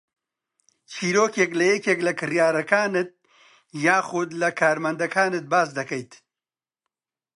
چیرۆکێک لە یەکێک لە کڕیارەکانت یاخوود لە کارمەندەکانت باس دەکەیت